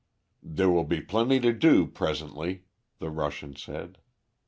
"There will be plenty to do presently," the Russian said.